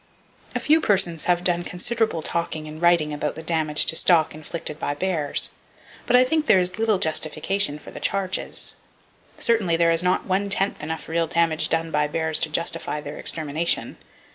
A few persons have done considerable talking and writing about the damage to stock inflicted by bears, but I think there is little justification for such charges. Certainly, there is not one tenth enough real damage done by bears to justify their extermination.